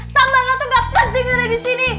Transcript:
tambahan lo tuh gak peduli disini